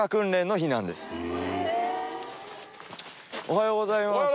おはようございます。